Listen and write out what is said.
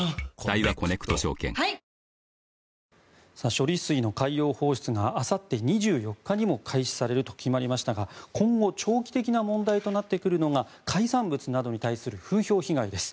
処理水の海洋放出があさって２４日にも開始されると決まりましたが今後長期的な問題となってくるのが海産物などに対する風評被害です。